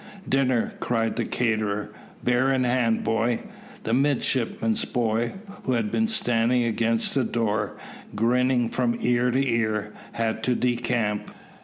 "Dinner!" cried the caterer. "Bear a hand, boy." The midshipman's boy, who had been standing against the door, grinning from ear to ear, had to decamp.